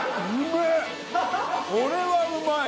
これはうまい！